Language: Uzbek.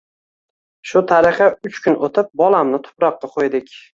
Shu tariqa uch kun o`tib, bolamni tuproqqa qo`ydik